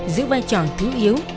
giữ vai trò thứ yếu